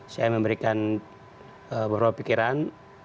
saya memberikan beberapa pikiran